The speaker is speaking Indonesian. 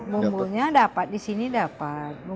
bumbunya dapat di sini dapat